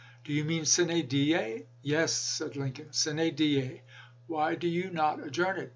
" Do you mean sine die fv " Yes," said Lincoln ;" sine die. Why do you not adjourn it?